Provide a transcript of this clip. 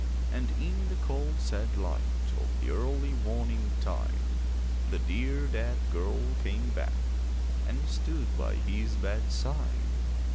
And in the cold sad light Of the early morningtide, The dear dead girl came back And stood by his bedside.